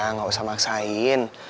gak usah maksain